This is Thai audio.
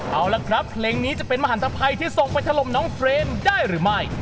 เอาละครับเพลงนี้จะเป็นมหันตภัยที่ส่งไปถล่มน้องเฟรมได้หรือไม่